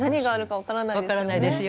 分からないですよ。